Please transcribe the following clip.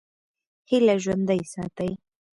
هیله ژوندۍ ساتئ.